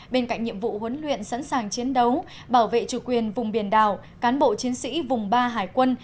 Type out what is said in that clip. bên cạnh nhiệm vụ huấn luyện sẵn sàng chiến đấu bảo vệ chủ quyền vùng biển đảo cán bộ chiến sĩ vùng ba hải quân